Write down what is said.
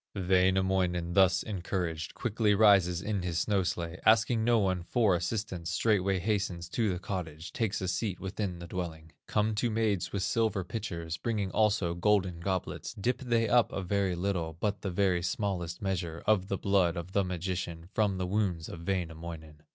Wainamoinen, thus encouraged, Quickly rises in his snow sledge, Asking no one for assistance, Straightway hastens to the cottage, Takes a seat within the dwelling. Come two maids with silver pitchers, Bringing also golden goblets; Dip they up a very little, But the very smallest measure Of the blood of the magician, From the wounds of Wainamoinen.